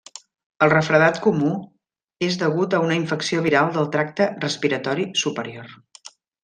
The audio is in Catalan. El refredat comú és degut a una infecció viral del tracte respiratori superior.